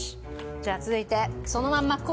じゃあ続いてそのまんまコーラです。